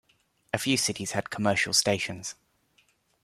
A few cities had commercial stations.